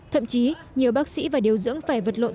thậm chí nhiều bác sĩ và điều dưỡng phải vật lộn